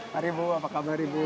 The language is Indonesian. hari ibu apa kabar ibu